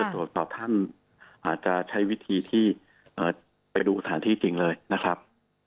ตรวจสอบท่านอาจจะใช้วิธีที่ไปดูสถานที่จริงเลยนะครับ